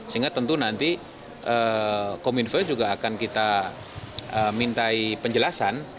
sehingga tentu nanti kominfo juga akan kita mintai penjelasan